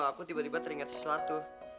tau gak aku tiba tiba teringat sesuatu